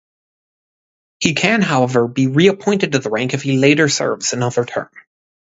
He can, however, be re-appointed to the rank if he later serves another term.